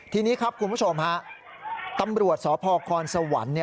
ทีนี้ครับคุณผู้ชมธรรมบริวัติศพคอนสวรรค์